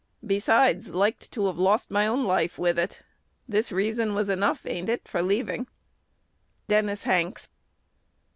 Besides, liked to have lossed my own life with it. This reason was enough (ain't it?) for leaving." Dennis Hanks.